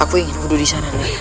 aku ingin duduk di sana